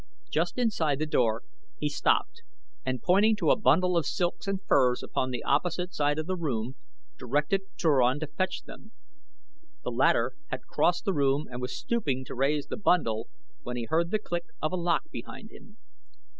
Just inside the door he stopped, and pointing to a bundle of silks and furs upon the opposite side of the room directed Turan to fetch them. The latter had crossed the room and was stooping to raise the bundle when he heard the click of a lock behind him.